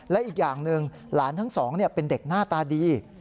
และอีกอย่างหนึ่งหลานทั้งสองเป็นเด็กหน้าตาดี